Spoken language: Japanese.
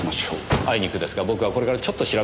あいにくですが僕はこれからちょっと調べたい事があります。